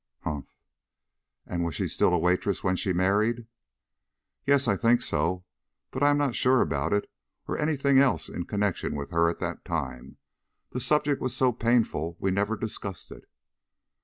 "Humph! And was she still a waitress when she married?" "Yes, I think so, but I am not sure about it or any thing else in connection with her at that time. The subject was so painful we never discussed it."